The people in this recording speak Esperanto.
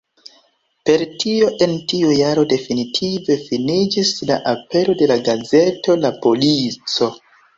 Per tio en tiu jaro definitive finiĝis la apero de la gazeto "La Polico".